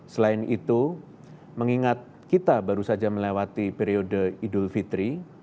selain itu mengingat kita baru saja melewati periode idul fitri